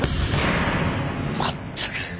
まったく！